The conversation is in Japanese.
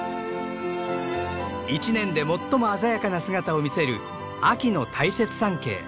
一年で最も鮮やかな姿を見せる秋の大雪山系。